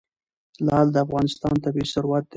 لعل د افغانستان طبعي ثروت دی.